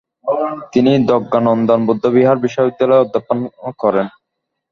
তিনি দ্গা'-ল্দান বৌদ্ধবিহার বিশ্ববিদ্যালয়ে অধ্যাপনা করেন।